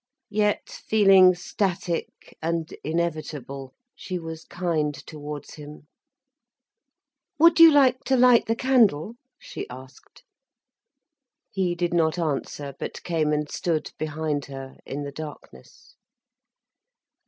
Yet, feeling static and inevitable, she was kind towards him. "Would you like to light the candle?" she asked. He did not answer, but came and stood behind her, in the darkness.